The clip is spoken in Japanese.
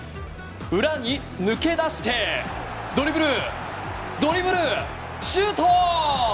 裏に抜け出してドリブル、ドリブル、シュート！